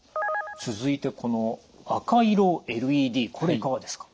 続いてこの赤色ＬＥＤこれいかがですか？